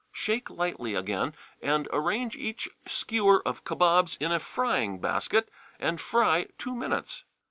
Shake lightly again, and arrange each skewer of kabobs in a frying basket, and fry two minutes.